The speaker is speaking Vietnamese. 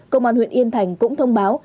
công an huyện yên thành cũng thông báo